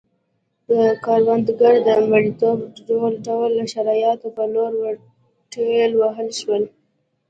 کروندګر د مریتوب ډوله شرایطو په لور ورټېل وهل شول.